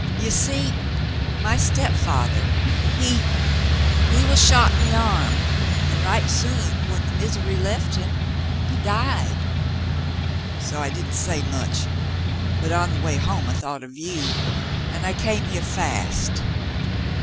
You see, my stepfather — he — he was shot in the arm, and right soon when the misery left him, he died, so I didn't say much — but on the way home I thought of you, and I came here fast.